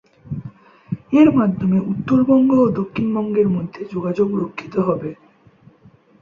এর মাধ্যমে উত্তরবঙ্গ ও দক্ষিণবঙ্গের মধ্যে যোগাযোগ রক্ষিত হবে।